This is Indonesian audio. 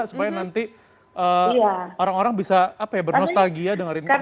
supaya nanti orang orang bisa apa ya bernostagia dengerin mbak is